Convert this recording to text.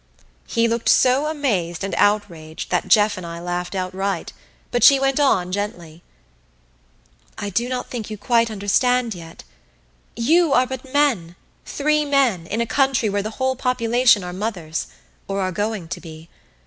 He looked so amazed and outraged that Jeff and I laughed outright, but she went on gently. "I do not think you quite understand yet. You are but men, three men, in a country where the whole population are mothers or are going to be.